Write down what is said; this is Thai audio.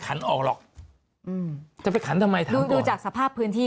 ขันออกหรอกอืมจะไปขันทำไมดูดูจากสภาพพื้นติ